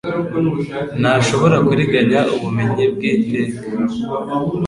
Ntashobora kuriganya ubumenyi bw'iteka